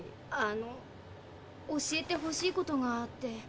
あの教えてほしいことがあって。